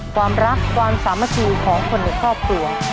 ความรักความสามัคคีของคนในครอบครัว